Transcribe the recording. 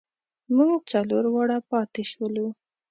مونږ څلور واړه پاتې شولو.